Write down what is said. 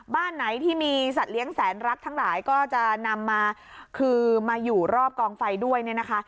บ้านไหนที่มีสัตว์เลี้ยงแสนรักทั้งหลายก็จะนำมาคือมาอยู่รอบกองไฟด้วยเนี่ยนะคะ